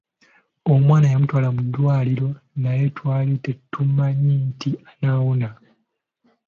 Omwana yamutwala mu ddwaliro naye twali tetumanyi nti anaawona.